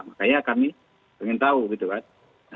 makanya kami ingin tahu gitu kan